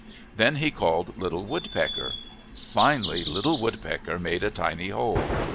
Then he called Little Woodpecker. Finally Little Wood pecker made a tiny hole.